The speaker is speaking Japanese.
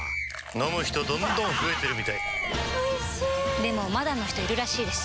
飲む人どんどん増えてるみたいおいしでもまだの人いるらしいですよ